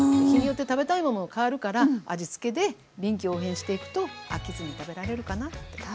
日によって食べたいものも変わるから味つけで臨機応変にしていくと飽きずに食べられるかなと。